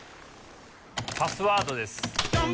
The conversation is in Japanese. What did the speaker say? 「パスワード」です